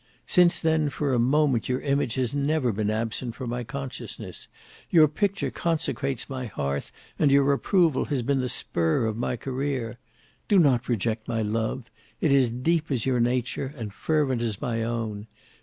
Since then for a moment your image has never been absent from my consciousness; your picture consecrates my hearth and your approval has been the spur of my career. Do not reject my love; it is deep as your nature, and fervent as my own.